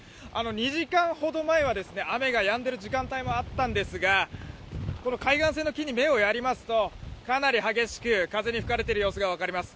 ２時間ほど前は雨がやんでる時間帯もあったんですが海岸線の木に目をやりますと、かなり激しく風に吹かれている様子が分かります。